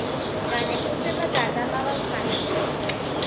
განეკუთნება გარდამავალ ხანას.